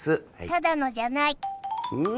ただのじゃないん？